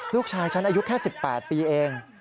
ลูกชายฉันอายุแค่๑๘ปีเอง